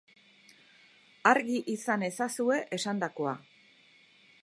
Argi izan ezazue esandakoa.